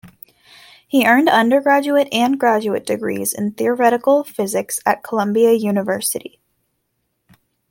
He earned undergraduate and graduate degrees in theoretical physics at Columbia University.